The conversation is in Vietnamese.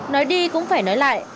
nói đi cũng phải nói lại